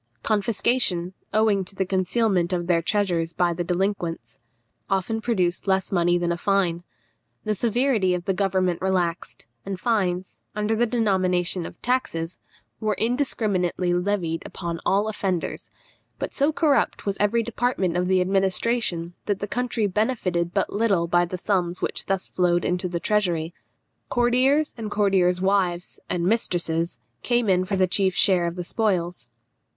Confiscation, owing to the concealment of their treasures by the delinquents, often produced less money than a fine. The severity of the government relaxed, and fines, under the denomination of taxes, were indiscriminately levied upon all offenders; but so corrupt was every department of the administration, that the country benefited but little by the sums which thus flowed into the treasury. Courtiers and courtiers' wives and mistresses came in for the chief share of the spoils.